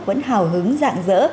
vẫn hào hứng dạng dỡ